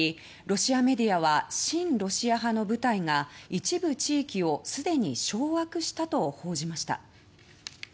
ロシアメディアは親ロシア派の部隊が一部地域をすでに掌握したと報じました。